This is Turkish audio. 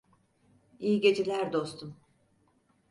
İyi geceler dostum.